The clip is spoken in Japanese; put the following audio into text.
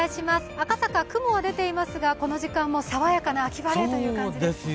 赤坂、雲は出ていますがこの時間も爽やかな秋晴れという感じです。